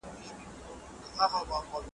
نه د چا په حلواګانو کي لوبیږو .